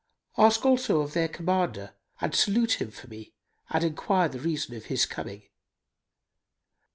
Ask also of their commander and salute him for me and enquire the reason of his coming.